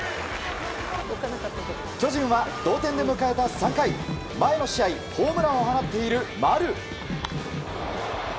巨人は同点で迎えた３回前の試合ホームランを放っている、丸。